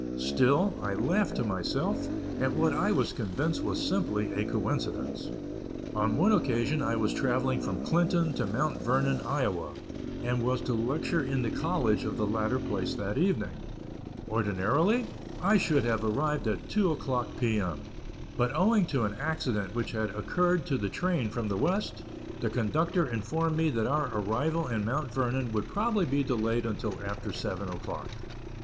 Still, I laughed to myself, at what I was convinced was simply a coincidence. On one occasion I was travelling from Clinton to Mount Vernon, Iowa, and was to lecture in the college of the latter place that evening. Ordinarily, I should have arrived at two o'clock P. M.; but owing to an accident which had occurred to the train from the West, the conductor informed me that our arrival in Mount Vernon would probably be delayed until after seven o'clock.